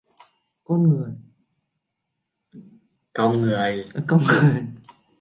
Cong người